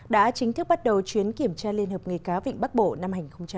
đã chính thức bắt đầu chuyến kiểm tra liên hợp nghề cá vịnh bắc bộ năm hai nghìn hai mươi